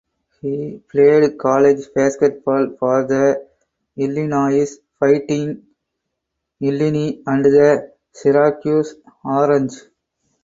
He played college basketball for the Illinois Fighting Illini and the Syracuse Orange.